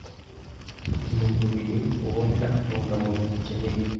bituma umubiri ubona intungamubiri ukeneye